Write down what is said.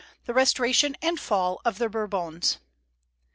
THE RESTORATION AND FALL OF THE BOURBONS.